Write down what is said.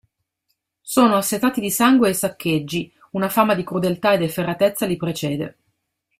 Sono assetati di sangue e saccheggi, una fama di crudeltà ed efferatezza li precede.